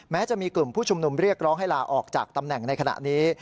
แม้จะมีกลุ่มผู้ชุมนุมเรียกร้องให้ลาออกจากตำแหน่งในขณะนี้